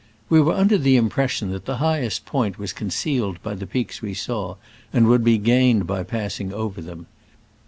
We were under the im pression that the highest point was con cealed by the peaks we saw, and would be gained by passing over them.